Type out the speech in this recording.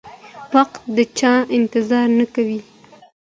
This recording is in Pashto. وخت د چا انتظار نه کوي.